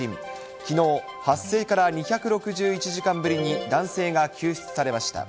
きのう、発生から２６１時間ぶりに男性が救出されました。